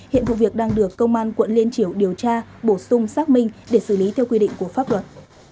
hiện vụ việc đang được công an quận liên triểu điều tra bổ sung xác minh để xử lý theo quy định của pháp luật